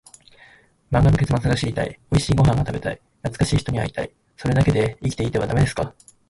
漫画の結末が知りたい、おいしいご飯が食べたい、懐かしい人に会いたい、それだけで生きていてはダメですか？